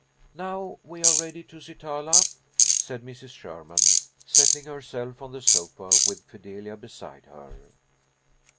"Now, we are ready, Tusitala," said Mrs. Sherman, settling herself on the sofa, with Fidelia beside her.